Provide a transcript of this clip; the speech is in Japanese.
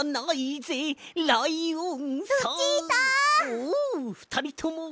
おうふたりとも。